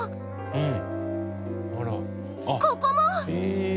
うん？